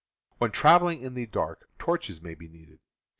When traveling in the dark, torches may be needed.